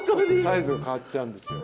サイズが変わっちゃうんですよ。